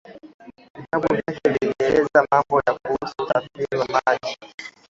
vitabu vyake vilieleza mambo kuhusu usafiri wa maji